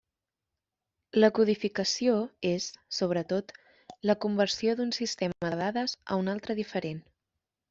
La codificació és, sobretot, la conversió d'un sistema de dades a un altre de diferent.